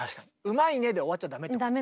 「うまいね」で終わっちゃ駄目ってこと。